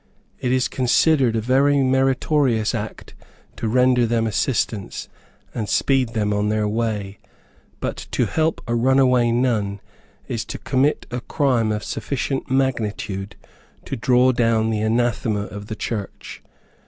It is considered a very meritorious act to render them assistance, and speed them on their way; but to help a runaway nun is to commit a crime of sufficient magnitude to draw down the anathema of the church.